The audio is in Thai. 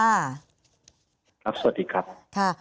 สวัสดีครับ